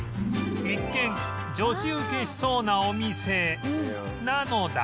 一見女子受けしそうなお店なのだが